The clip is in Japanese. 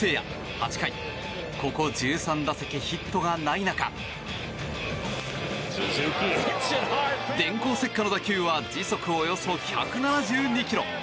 ８回ここ１３打席ヒットがない中電光石火の打球は時速およそ１７２キロ！